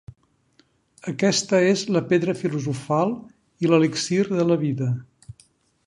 Aquesta és la Pedra filosofal i l'Elixir de la vida.